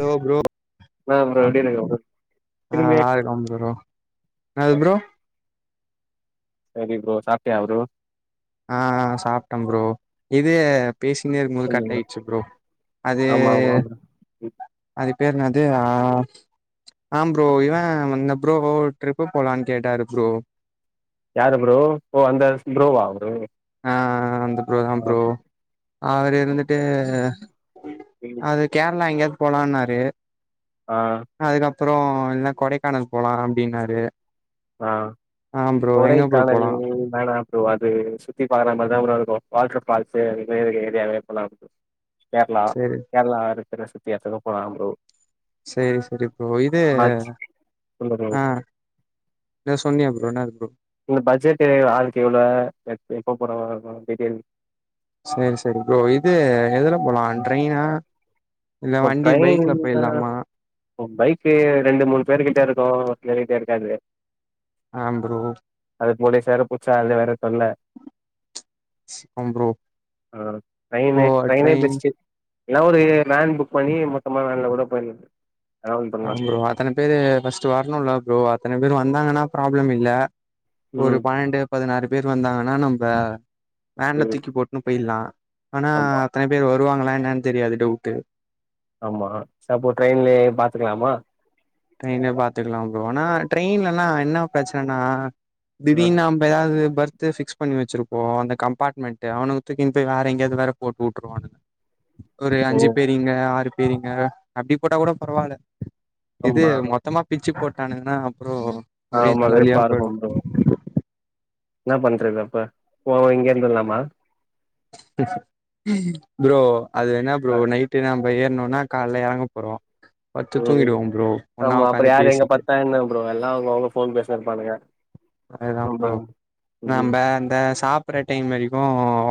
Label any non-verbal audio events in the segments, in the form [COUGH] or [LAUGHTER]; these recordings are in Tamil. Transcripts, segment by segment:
ஹலோ ப்ரோ ப்ரோ ஆ எப்டி இருக்க ப்ரோ ஆ திரும்பி நல்லா என்ன இருக்குற ப்ரோ என்னாது ப்ரோ செரி ப்ரோ சாப்ட்டியா ப்ரோ ஆ சாப்ட்டோ ப்ரோ இது பேசின்னே இருக்கும்போது கட் ஆயிடுச்சு ப்ரோ அது ஆமா ஆமா ப்ரோ அது பேர் என்னது ஆ ஆ ப்ரோ இவ வந்த ப்ரோ ஒரு ட்ரிப்பு போலான்னு கேட்டாரு ப்ரோ யாரு ப்ரோ ஓ அந்த ஸ் ப்ரோவா அவரு ஆ அந்த ப்ரோ ஆ தான் ப்ரோ அவரு இருந்துட்டு ம். அது கேரளா எங்கேயாது போலான்னாரு ஆ அதுக்கப்புறோ இல்லனா கொடைக்கானல் போலா அப்டின்னாரு ஆ ஆ ப்ரோ எங்க ப்ரோ கெடைக்கானல் போலா வேணா ப்ரோ அது சுத்தி பாக்குற மாரிதா ப்ரோ இருக்கு வாட்ரு ஃபால்ஸு இந்த மாரி ஏரியாவே போலா ப்ரோ கேரளா சேரி கேரளா இருக்கிற சுத்தி எடத்துக்கு போலா ப்ரோ சேரி சேரி ப்ரோ இது பட்ஜ் சொல்லு ப்ரோ ஆ நீ சொன்னியே ப்ரோ என்னருக்குதுனு இந்த பட்ஜெட் ஆளுக்கு எவ்வளவு எப்போ போறாங்க கேளு சேரி சேரி ப்ரோ இது எதுல போலா ம் ட்ரெயினா இது ஒரு வண்டி ட்ரெயின் பைக்ல போய்டலாமா பைக்கு ரெண்டு மூணு பேருர்கிட்ட இருக்கு என்கிட்ட இருக்காது ஆ ப்ரோ அதுக்கு மொதலே சேர பிரிச்சா அது வேற தொல்ல ஆ ப்ரோ ஆ இப்போ ட்ரெயினே ட்ரெயினே ட்ரெயின் பெஸ்ட்டு இல்ல ஒரு வேன் புக் பண்ணி மொத்தமா வேன்ல கூட போயிடலா ஆ ப்ரோ அத்தன பேரு ஃபஸ்ட்டு வரணும்ல்ல ப்ரோ அத்தன பேரு வந்தாங்கன்னா ப்ராப்ளம் இல்ல ஒரு ம் பன்னெண்டு பதினாறு பேர் வந்தாங்கன்னா நம்ப வேன்ல ம் தூக்கி போட்டுன்னு போய்ட்லா ஆனா ஆமா அத்தன பேர் வருவாங்களா என்னன்னு தெரியாது டவ்ட்டு ஆமா சப்போ ட்ரெயின்லே பாத்துக்கலாமா ட்ரெயின்லே பாத்துக்கலாம் ப்ரோ ஆன ட்ரெயின்லனா என்ன பிரச்சனன்னா ம் திடீர்னு எப்ப எதாவது பெர்த்து ஃபிக்ஸ் பண்ணி வச்சிருப்போ அந்த கம்பார்ட்மெண்ட்டு அவனுக்கு தூக்கி போய் வேறு எங்கயாவது வேற போட்டு வுட்டுருவாங்க ஒரு ஓ அஞ்சு பேறிங்க ஆறு பேறிங்க அப்டி போட்டா கூட பரவால்ல இது ஆமா மொத்தமா பிரிச்சு போட்டானுன்னா அப்றோ ஒரே ஆமா வெறுப்பா தலவலியா போய்டு இருக்கும் ப்ரோ என்ன பண்றது அப்ப போவ இங்கேருந்துறலாமா ப்ரோ அது என்ன ப்ரோ அ நைட்டு என்ன ப்ரோ இப்ப ஏறணோம்ன்னா காலைல இறங்க போறோ படுத்து ம் தூங்கிடுவோ ப்ரோ ஒன்னா ஆமா அப்றோ உக்காந்து யார் எங்க பேசிட்டு பாத்தா என்ன ப்ரோ அதெல்லா அவுங்க அவுங்க போன் பேச இருப்பானுங்க வேணா நம்ப ப்ரோ ம் நம்ம அந்த சாப் ற டைம் வரைக்கு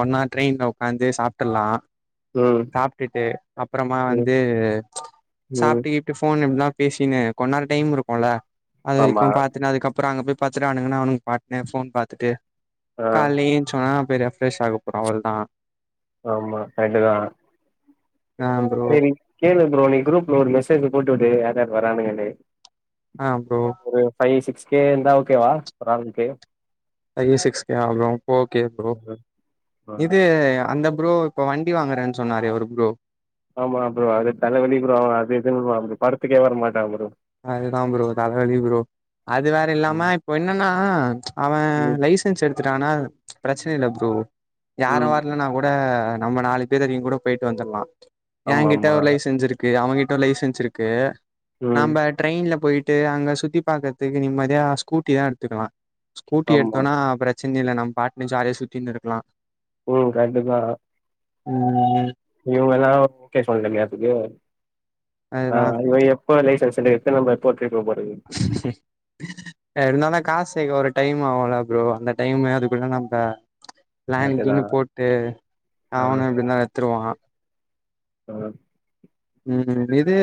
ஒன்னா உக்காந்து ட்ரெயின்ல சாப்ட்றலா ம் சாப்ட்டுட்டு அப்புறமா ம் வந்து ம் சாப்ட்டு இப்ப போன் கீன்லா பேசுனு கொஞ்ச நேரோ டைம் இருக்கும்ல அது ஆமா வரைக்கு பாத்துனு அதுக்கப்றோ அங்க போய் பத் துனானுங்கனா அவனுக்கு பாட்டுனு போன் பாத்துட்டு ஆ காலைல எந்திரிச்சொனே போய் ரெஃப் ரெஷ் ஆக போறோ அவளோதா ஆமா கரட்டுதா ஆ ப்ரோ செரி கேளு ப்ரோ நீ குரூப்ல ஒரு மெசேஜ் போட்டுவுடு யார் யார் வரானுங்கனு ஆ ப்ரோ ஒரு ஃபைவ் சிக்ஸ் கே இருந்தா ஓகேவா ஒரு ஆளுக்கு ஃபைவ் சிக்ஸ் கே வா ப்ரோ ஓ கே ப்ரோ இது அந்த ப்ரோ இப்போ வண்டி வாங்கறேன்னு சொன்னாரே ஒரு ப்ரோ ஆமா ப்ரோ அது தலவலி ப்ரோ அவெ அது இதுன்னுவா படத்துக்கே வர மாட்டாங்க ப்ரோ அதுதா ப்ரோ தலவழி ப்ரோ வேற ம் இப்ப என்னன்னா அவன் ம் லை சன்ஸ் எடுத்துனா பிரச்சன இல்ல ப்ரோ யாரு ம் வரலனா கூட நம்ம நாளைக்கு தெரியு கூட போய்ட்டு வந்துடற்லா ஆமா என்கிட்ட ஆமா லைசன்ஸ் இருக்கு அவங்கிட்ட லைசன்ஸ் இருக்கு ம் நம்ப ட்ரெயின்ல போய்ட்டு அங்க சுத்தி பாக்கறதுக்கு நிம்மதியா ஸ்கூட்டி தா எடுத்துக்கலா ஸ்கூட்டி ஆமா எடுத்தோம்னா பிரச்சன இல்ல நம்ம பாட்டுன்னு ஜாலியா சுத்தினு இருக்கலா ப்ரோ சாப்டீங்ளா ம் இவங்கல்லா ஓ கே சொல்னும்ல ப்ரோ அதுதா அதுவரயு எப்போ லைசன்ஸ் வந்து நம்ம எப்போ ட்ரிப்பு போறது இருந்தொனே காசு சேக்க ஒரு டைம் ஆகுல ப்ரோ அந்த டைமு அதுக்குள்ள நம்ம பிளானு கரெக்ட்டுதா கீன்னு போட்டு ஆ அவணும் எப்படினாலும் எடுத்துருவான் ஆஹ உம் ம் இது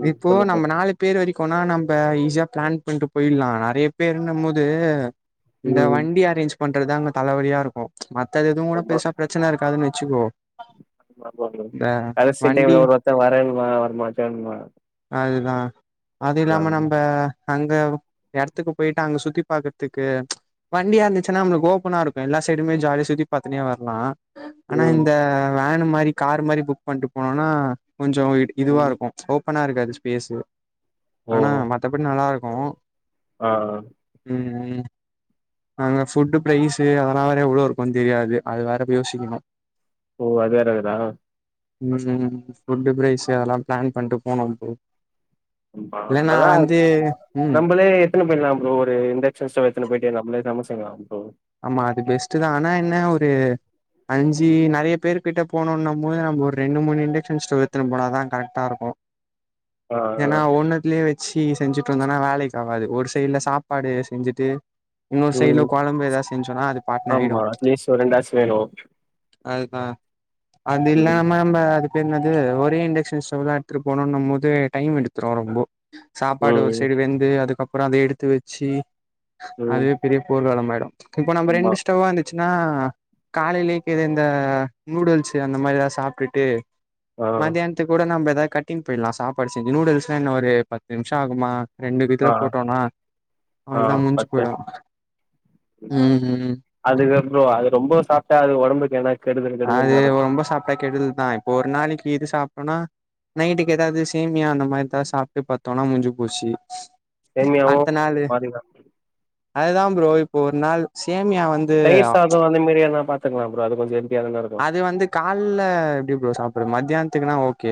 ம் இப்போ சொல்லு ப்ரோ நம்ம நாலு பேர் வரைக்குனா நம்ப ஈஸியா பிளான் பண்ணிட்டு போயிடலாம் நிறைய பேருன போது இந்த ம் வண்டி அரேஞ்ச் பண்றதுதா அங்க தலவலியா இருக்கும் மத்த எதுக்கும் கூட ஆமா பேருசா பிரச்சன இருக்காதுனு வச்சுக்கோ இந்த வண்டி ச வரணுமா வருமா சொணுமா அதுதான் அது இல்லாம நம்ப அங்க இடத்துக்கு போயட்டு அங்க சுத்தி பாக்குறதுக்கு வண்டியா இருந்துச்சுன்னா நம்மளுக்கு ஓபனா இருக்கும் எல்லா சைடுமே ஜாலிய சுத்தி பாத்துனே வரலாம் ஆனா ம் இந்த வேன் மாரி கார் மாரி புக் பண்ணிட்டு போனோனா கொஞ்சம் இதுவா ம் இருக்கும் ஓப்பனா இருக்காது ஸ்பேஸு ஓ ஆனா மத்தபடி நல்லா இருக்கும் ஆஹ் உம் ம் அங்க ஃபுட்டு் பிரைஸு அதெல்லாம் வேற எவ்ளோ இருக்கும்னு தெரியாது அது வேற யோசிக்கணும் ஓ அது வேற இருக்குதா ம் ம் ஃபுட்டு பிரைஸு அதலா பிளான் பண்ணிட்டு போனும் ப்ரோ இல்ல நா அதலா வந்து ம் நம்மளே எத்தனு போயர்லாம் ப்ரோ ஒரு இண்டக்ஷன் ஸ்டவ் எத்தனு போயிட்டு நம்ளே சமச்சிக்கலாம் ப்ரோ ஆமா அது பெஸ்ட் தான் ஆனா என்ன ஒரு அஞ்சு நறைய பேரு கிட்ட போனணும் போது நம்ம ஒரு ரெண்டு மூனு இண்டக்க்ஷன் ஸ்டவ் எத்துனு போனா தான் கரெக்டா இருக்கும் ஆ ஏன்னா ஆ ஓன்னத்துலயே வச் சி செஞ்சுட்டு வந்தனா வேலைக்கு ஆவாது ஒரு சைடு்ல சாப்பாடு செஞ்சுட்டு இன்னொரு சைட்ல ம் குழம்பு ஏதாவ செஞ்சோம்ன்னா அது பாட்டுன ஆமா ஆயிடும் அட்லீஸ்ட் ஒரு ரெண்டாச்சு வேணு அதுக்கா அது ம் இல்லாம நம்ம அது பேரென்னது ஒரே இண்டக்ஷன் ஸ்டவ்தா எடுத்துட்டு போனோன்னும் போது டைம் எடு [UNINTELLIGIBLE] சாப்பாடு ஒரு ம் சைடு வெந்து அதுக்கப்புறம் அதை எடுத்து வச்சு அது ம் பெரிய போர்களமாயிடும் இப்போ நம் ஆமா ரெண்டு ஸ்டவ் வா இரு சின்னா காலையிலே கேது இந்த நூடுல்ஸ் அந்த மாரி எதாவ சாப்டுட்டு ஆ மத்தியானத்து கூட நம்ம ஏதாவது கட்டின்னு போயிடலாம் சாப்பாடு செஞ்சு நூடுல்ஸ்லாம் என்ன ஒரு பத்து நிமிஷம் ஆகுமா ரெண்டு பேத்துல ஆ போட்டோம்னா அவள ஆ தான் முடிஞ்சு பத்து போயிடும் உம் ஹும் அதுக்கு அப்புறம் அது ரொம்ப சாப்பிட்டா அது உடம்புக்கு என்னாச் அது ரொம்ப சாப்பிட கெடுதல் தான் இப்ப ஒரு நாளைக்கு இது சாப்பிடோனா நைட்டுக்கு ஏதாவது சேமியா அந்த மாரி எதா சாப்ட்டு பத்தோம்னா முஞ்சு போச்சு சேமியாவு அடுத்த நாளு ஒரு மாரிதா அதுதான் ப்ரோ இப்போ ஒரு நாள் சேமியா வந் தயிர் சாதம் அந்த மாரி எதுனா பாத்துகலாம் பரோ அது கொஞ்சம் ஹெல்த்தியா தான இரு இது வந்து காலல எப்டி ப்ரோ சாப்டுறது மத்தியானத்துக்குன்னா ஓகே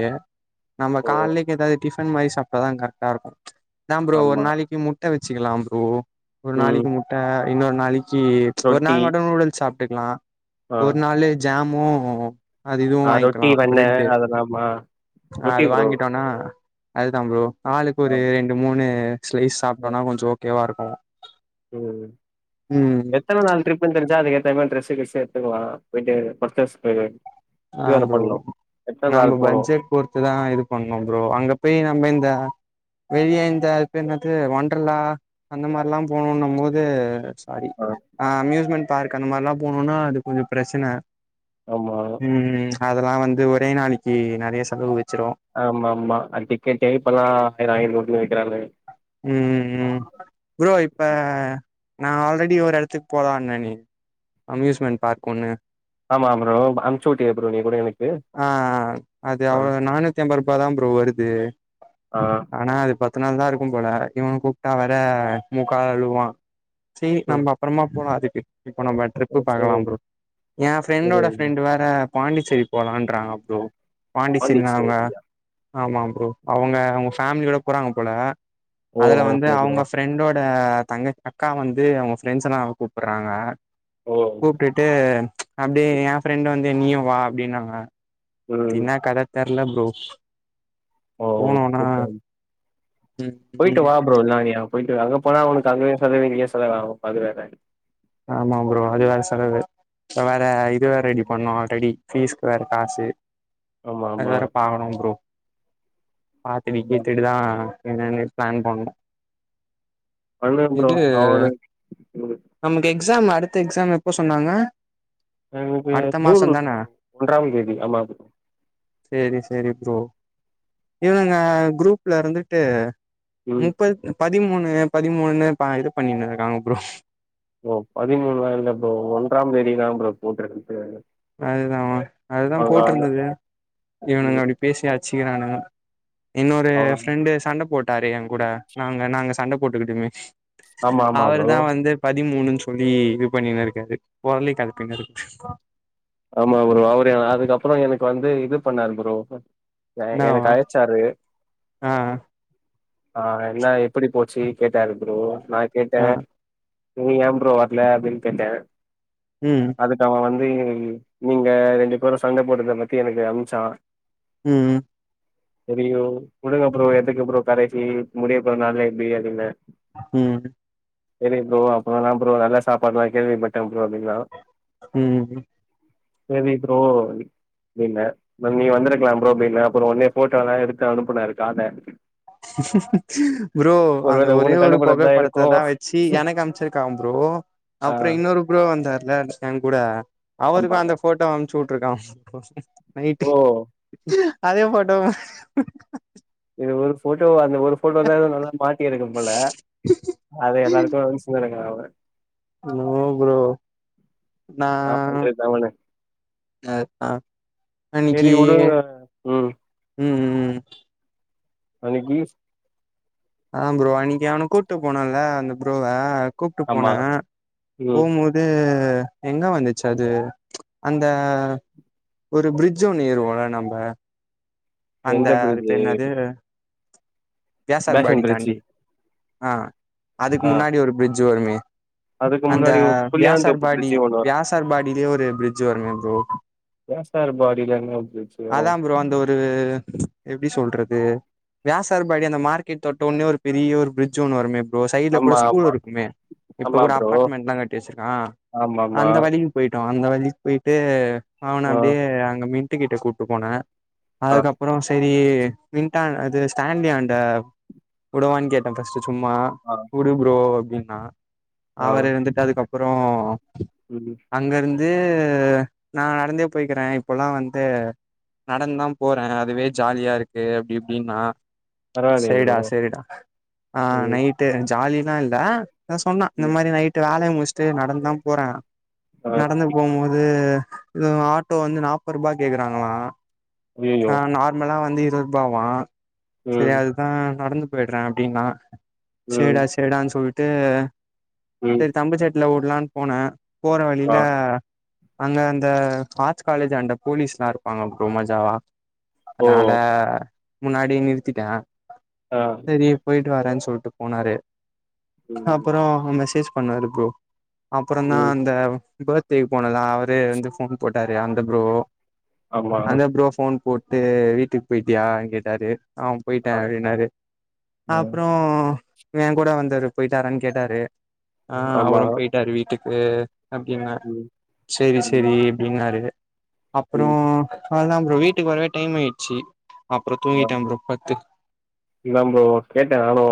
நம்ம ஓ காலக்கு ஏதாவது டிஃபன் மாதி சாப்பிட்டதான் கெரக்டா இருக்கும் அதான் ப்ரோ ஒரு ஆமா நாளைக்கு முட்டை வச்சுக்கலாம் ப்ரோ ஒரு ம் நாளைக்கு முட்ட இன்னொரு நாளைக்கு ஒரு ரொட்டி நாலு மட்டும் நூடுல்ஸ் சாப்டுக்கலாம் ஆ ஒரு நாளு ஜாமும் அது இதுவும் ஆ ரொட்டி வாங்கிக்கலாம் வெண்ண பிரெட்டு் அதெல்லாமா ஆஹ் அது ரொட்டி ப்ரோ வாங்கிட்டோனா அது தான் ப்ரோ ஆளுக்கு ஆ ஒரு ரெண்டு மூணு ஸ்லைஸ் சாப்டோம்னா கொஞ்சம் ஓகேவா இருக்கும் உம் எத்தனை நாள் டிருப் புனு தெரிஞ்சா அதுக்கு ஏதா மாரி ட்ரர்ஸ் கிஸு எடுத்துகலாம் ஆ ப்ரோ நம்ம போனு பட்ஜெட் பொறுத்துதா இது பண்ணும் ப்ரோ அங்க போய் நம்ம இந்த வெளிய இந்த அத்பேர் என்னாது வண்டர்லா அந்த மாரில்லா போனுன்னம் போது ஆடி ஆ அம்யூஸ்மெண்ட் பார்க் அந்த மாரில்லா போணுன்னா அது கொஞ்சொ ப்ரச்சன ஆமா ம் அதல்லா வந்து ஒரே நாளைக்கி நறைய செலவு வச்சிரு ஆமா ஆமா அடிக்கே இப்பல்லா [UNINTELLIGIBLE] ம் ம் ப்ரோ இப்ப நா ஆல்ரெடி ஒரு எடத்துக் போலான்னனே அம்யூஸ்மெண்ட் பார்க் ஒன்னு ஆமா ப்ரோ அம்ச்சு உட்டியே ப்ரோ நீ கூட எனக்கு அ த்தம் பருப்பாதா ப்ரோ வருது ஆ ஆனா அது பத்து நாள் தா இருக்கும் போல இவ கூப்ட்டா வேற மூக்கால அழுவா சேரி ம் நம்ப அப்பறமா போலா அதுக்கு இப்ப நம்ப ட்ரிப்பு ம் பாக்கலா சேரிங்க ப்ரோ ஏ ஃப்ரெண்டோட சேரிங்க ப்ரோ ஃப்ரெண்டு வேற பாண்டிச்சேரி போலான்றாங்க ப்ரோ பாண்டிச்சேரி நா அவ பாண்டிச்சேரியா ஆமா ப்ரோ அவ்ங்க அவ்ங்க ஃபேமிலியோட போறாங்க போல ஓ அதுல வந்து ஓகே ப்ரோ அவ்ங்க ஃப்ரெண்டோட தங்க அக்கா வந்து அவ்ங்க ஃப்ரெண்ட்ஸெல்லா கூப்புர்றாங்க ஓ கூப்ட்டுட் ட்டு அப்டியே ஏ ஃப்ரெண்டு் வந்து நீயு வா அப்டின்னாங்க ம் தீங்னா கட தெர்ல ப்ரோ ஓ போனோனா சூப்பர் ம் போய்ட்டு ம் வா ப்ரோ இல்னா நீ அங் போய்ட்டு அங்க போனா ஒனுக்கு அங்கய் செலவு இங்கியு செலவு [UNINTELLIGIBLE] ஆமா ப்ரோ அது வேற செலவு இப்ப வேற இது வேற ரெடி பண்ணு ஆல்ரெடி ஃபீஸ்க் வேற காசு ஆமா அது வேற பாக்கணும் ப்ரோ பாத்துட்டு ஆமா கீத்துட்டுதா என்னனு ப்ளான் பண்ணு பண்ணு ப்ரோ அவனு நமக்கு எக்ஸாம் அடுத்த எக்ஸாம் எப்போ சொன்னாங்க அடுத்த [UNINTELLIGIBLE] ஜூன் மாசம் தான ஒன்றாம் தேதி ஆமா சேரி சேரி ப்ரோ இவனுங்க க்ரூப்ல இருந்துட்டு ம் முப்பத் பதிமூணு பதிமூணுனு ப இது பண்ணினுருக்காங்க ப்ரோ ப்ரோ பதிமூணுல்லா இல்ல ப்ரோ ஒன்றாம் தேதிதா ப்ரோ போட்ருக்கு அதுதா அதுதா அவங்க அவங்க போட்ருந்துது இவனுங்க ம் அப்டி பேசி அட்ச்சிக்குறானுங்க இன்னொரு அவ ஃப்ரெண்டு சண்ட போட்டாரு ஏங்கூட நாங்க நாங்க சண்ட போட்டுக்கிட்டமே ஆமா ஆமா அவரு ப்ரோ தா வந்து பதிமூணுன் சொல்லி இது பண்ணினு இருக்காரு பொரலி கெளப்பினுருக் ஆமா ப்ரோ அவரு அதுக்கப்றொ என க்கு வந்து இது பண்ணாரு ப்ரோ எனக்கு என்னாவா அழைச்சாரு ஆ ஆ என்ன எப்டி போச்சி கேட்டாரு ப்ரோ நா கேட்ட ஆ நீ யாம் ப்ரோ வர்ல அப்டின் கேட்ட ம் அதுக்க அவ வந்து நீங்க ரெண்டு பேரு சண்ட போட்டதப் பத்தி எனக்கு அம்ச்சா ம் ம் தெரியு உடுங்க ப்ரோ எதுக்கு ப்ரோ கடசீ முடியப் போற நாள்ல இப்டி அப்டின்ன ம் தெரியு ப்ரோ அப்றொ என்னா ப்ரோ நல்லா சாப்பாட்லா கேள்விப்பட்ட ம் ப்ரோ அப்டின்னா ம் செரி ப்ரோ நீ ன அப்ப நீ வந்திருக்கிலா ப்ரோ அப்டின்ன அப்புற ஒன்னே போட்டோலா எடுத்து அனுப்புனாரு காத ப்ரோ அந்த ஒருவேள ஒரே உனக்கு ஒரு அனுப்புனதுதா இருக்கு புகைப்படத்த தா வெச்சு எனக்கு அமுச்சிருக்கா ப்ரோ ஆ அப்புற இன்னொரு ப்ரோ வந்தார்ல ஏங் கூட அவருக்கு ஆமாங்க அந்த போட்டோ அமுச்சு வுட்ருக்கா நைட்டு ஓ அதே போட்டோவ இது ஒரு போட்டோ அந்த ஒரு போட்டோ தா எது நல்லா மாட்டி இருக்கு போல அதே எல்லாருக்கு அமுச்சுனு இருக்கா அவ நோ ப்ரோ நா இன்னா பண்றது அவன ஆ செரி அன்னைக்கி வுடுங்க ம் ம் ம் அன்னிக்கி ஆ ப்ரோ அன்னிக்கி அவன கூட்டு போனல அந்த ப்ரோவ கூப்ட்டு ஆமா போனே ம் போம்போது அது எங்க வந்துச்சு ம். அது அந்த ஒரு பிரிட்ஜு ஒன்னு ஏறுவோல நம்ப அந்த எந்த அது பிரிட்ஜு பேர் ன்னாது வியாசார் பேஷன் பாடி பிரிட்ஜு தாண்டி ஆ அதுக்கு ஆ முன்னாடி ஒரு பிரிட்ஜு வருமே அதுக்கு அந்த முன்னாடி ஒரு புளியாந்தோப்பு வியாசார்பாடி பிரிட்ஜு ஒன்னு வரு வியாசார்பாடிலே ஒரு பிரிட்ஜு வருமே ப்ரோ வியாசார்பாடிலந்து வந்துச்சு அதா ப்ரோ அந்த ஒரு எப்டி சொல்றது வியாசார்பாடி அந்த மார்க்கெட் தொட்டவுன்னே ஒரு பெரிய ஒரு பிரிட்ஜு ஒன்னு வருமே ப்ரோ சைட்ல கூட ஆமா ஸ்கூலு இருக்குமே இப்ப ஆமா கூட ப்ரோ அபார்ட்மெண்ட்லா கட்டி வச்சிருக்கா ஆமாமா. அந்த வழி போயிட்டோ அந்த வழிக் போயிட்டு அவன ஆ, அப்டியே அங்க மின்ட்டு கிட்ட கூட்டு போன ஆ, அதுக்கப்புற செரி மின்டாண் அது ஸ்டான்லியாண்ட உடவான் கேட்டே ஃபஸ்ட்டு சும்மா ஆ குடு புரோ அப்டின்னா ஆ. அவரு வந்துட்டு அதுக்கப்பற ம் அங்கருந்து நா நடந்தே போய்கிற இப்போலா வந்து நடந்தா போறே அதுவே ஜாலியா இருக்கு அப்டி இப்டின்னா பரவாயில்லையே செரிடா ப்ரோ. செரிடா ஆ ம், நைட் டு ஜாலிதா இல்ல அதான் சொன்னா இந்த ம். மாரி நைட்டு வேலய முச்சுட்டு நடந்துதா போற ஆ. நடந்து போவும் போது குவ் ஆட்டோ வந்து நாப்பர்பா கேக்குறாங்களா அய்யய்யோ! ஆ நார்மலா வந்து இருவர்பாவா ம், செரியத் ஆ நடந்து போயிட்றே அப்டின்னா ம், செரிடா செரிடான் சொல்ட்டு ம். சேர் தம்பு செட்ல ஊட்லான் போன போற ஆ. வழியில அங்க அந்த ஆர்ட்ஸ் காலேஜான்ட போலீஸ்லா இருப்பாங்க ப்ரோ மஜாவா ஓ! அதனால முன்னாடி நிற்திட்ட ஆ நீ போயிட்டு வரேன் சொல்ட்டு போனாரு ம், அப்புற மெசேஜ் பண்ணுவாரு ப்ரோ அப்புறந்தா ம். அந்த பர்த்டேகு போனதா அவரே வந்து போன் போட்டாரு அந்த ப்ரோ ஆமா. அந்த ப்ரோ போன் போட்டு வீட்டுக்கு போயிட்டியான் கேட்டாரு அவ போய்ட்டா ஆ, அதுன்னாரு ஆ. அப்றோ இவ ஏ கூட வந்தவரு போயிட்டாரான் கேட்டாரு ஆ ஆமா. அவரு போயிட்டாரு வீட்டுக்கு அப்டிங்கா ம், சேரி சேரி ம், அப்டினாரு அப்றோ ம். அதான் ப்ரோ வீட்டுக்கு வரவே டைம் ஆயிடுச்சு அப்றோ தூங்கிட்டே ப்ரோ பத்து இதா ப்ரோ கேட்டே நானு